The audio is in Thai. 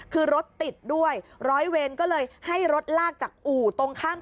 คือรถติดด้วยร้อยเวรก็เลยให้รถลากจากอู่ตรงข้าม